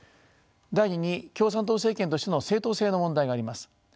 第２に共産党政権としての正当性の問題があります。